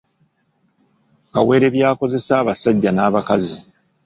Kawere by’akozesa abasajja n’abakazi